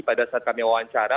pada saat kami wawancara